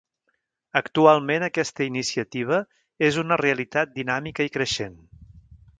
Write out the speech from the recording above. Actualment aquesta iniciativa és una realitat dinàmica i creixent.